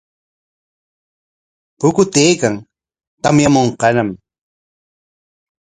Pukutaykan, tamyamunqañam.